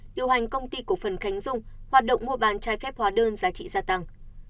điều hành công ty cổ phần khánh dung hoạt động mua bán trái phép hóa đơn giá trị gia tăng